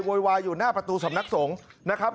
โวยวายอยู่หน้าประตูสำนักสงฆ์นะครับ